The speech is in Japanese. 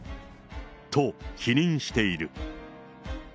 と、否認している。